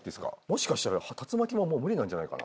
もしかしたら竜巻はもう無理なんじゃないかな。